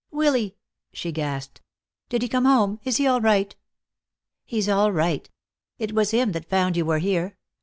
"Willy!" she gasped. "Did he come home? Is he all right?" "He's all right. It was him that found you were here.